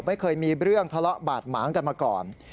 ไม่เคยมีเรื่องทะเลาะบาดหมางกันมาก่อน